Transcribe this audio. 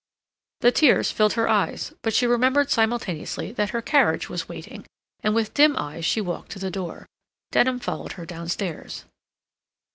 The tears filled her eyes; but she remembered simultaneously that her carriage was waiting, and with dim eyes she walked to the door. Denham followed her downstairs.